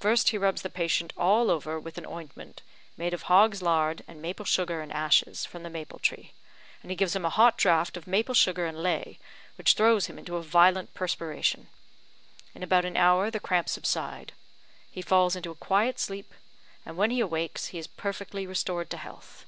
First he rubs the patient all over with an ointment, made of hog's lard and maple sugar and ashes, from the maple tree; and he gives him a hot draught of maple sugar and ley, which throws him into a violent perspiration. In about an hour the cramps subside; he falls into a quiet sleep, and when he awakes he is perfectly restored to health."